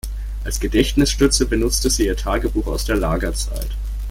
Als Gedächtnisstütze benutzte sie ihr Tagebuch aus der Lagerzeit.